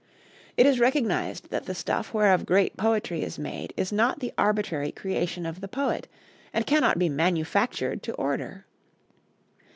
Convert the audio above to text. It is recognized that the stuff whereof great poetry is made is not the arbitrary creation of the poet, and cannot be manufactured to order.